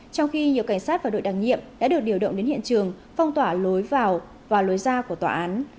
trong khi nhiều cảnh sát và đội đặc nhiệm đã được điều động đến hiện trường phong tỏa lối vào và lối ra của tòa án